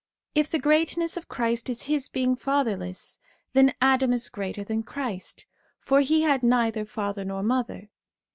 If the greatness of Christ is his being fatherless, then Adam is greater than Christ, for he had neither father nor mother.